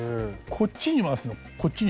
こっちに回すの？